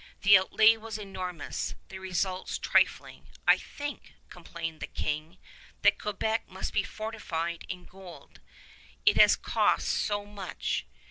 The outlay was enormous, the results trifling. "I think," complained the King, "that Quebec must be fortified in gold, it has cost so much."